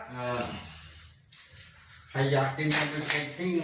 ขยับจริงเลยอ่ะ